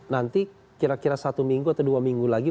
nanti kira kira satu minggu atau dua minggu lagi